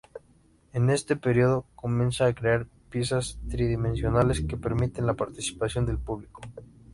En este período comienza a crear piezas tridimensionales que permiten la participación del público.